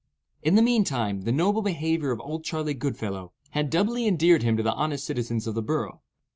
In the meantime, the noble behavior of "Old Charley Goodfellow," had doubly endeared him to the honest citizens of the borough.